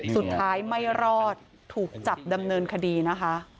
สุดท้ายไม่รอดถูกจับดำเนินคดีนะคะ